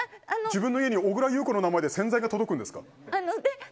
自分の家に小倉優子の名前で洗剤が届くんですか？